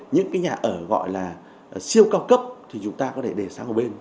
những nhà ở gọi là siêu cao cấp thì chúng ta có thể để sang hồ bên